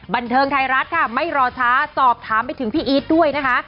บันเทิงไทยรัฐค่ะไม่รอช้าสอบถามไปถึงพี่อีทด้วยนะคะ